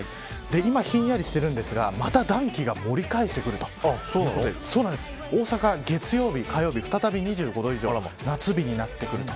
今ひんやりしてくるんですが暖気がまた盛り返してくるということで大阪、月曜日火曜日再び２５度以上の夏日になってくる。